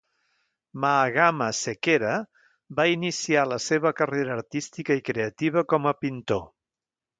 Mahagama Sekera va iniciar la seva carrera artística i creativa com a pintor.